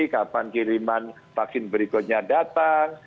kapan kiriman vaksin berikutnya datang